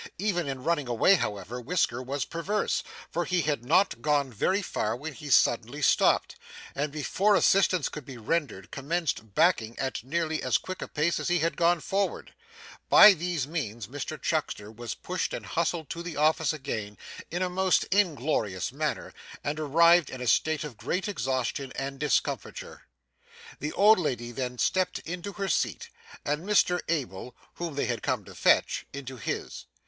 Even in running away, however, Whisker was perverse, for he had not gone very far when he suddenly stopped, and before assistance could be rendered, commenced backing at nearly as quick a pace as he had gone forward. By these means Mr Chuckster was pushed and hustled to the office again, in a most inglorious manner, and arrived in a state of great exhaustion and discomfiture. The old lady then stepped into her seat, and Mr Abel (whom they had come to fetch) into his.